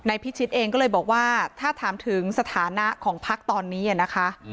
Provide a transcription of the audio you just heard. พิชิตเองก็เลยบอกว่าถ้าถามถึงสถานะของพักตอนนี้นะคะ